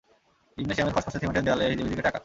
জিমনেশিয়ামের খসখসে সিমেন্টের দেয়ালে হিজিবিজি কেটে আঁকা।